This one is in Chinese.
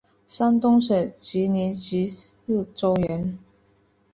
山东省济宁直隶州人。